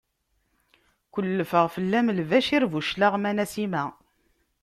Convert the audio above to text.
Kelfeɣ fell-am Lbacir Buclaɣem a Nasima!